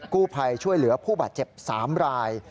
กู้ภัยช่วยเหลือผู้บาดเจ็บ๓ราย